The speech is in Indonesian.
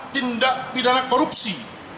tindak pidana korupsi